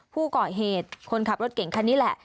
ผู้ก่อเหตุคนขับรถเก่งคันนี้แหละ